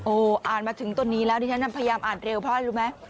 อ่านมาถึงต้นนี้แล้วดิฉันพยายามอ่านเร็วเพราะอะไรรู้ไหม